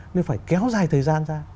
nên phải kéo dài thời gian ra